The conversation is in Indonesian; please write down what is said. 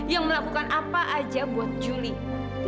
yang melakukan apa aja buat julie